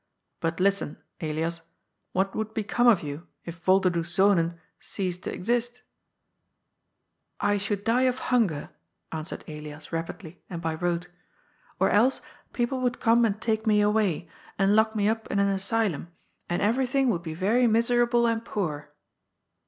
But listen, Elias, what would be come of you, if Yolderdoes Zonen ceased to exist ?"^^ I should die of hunger," answered Elias rapidly, and by rote. ^' Or else people would come and take me away, and lock me up in an asylum, and everything would be very miserable and poor."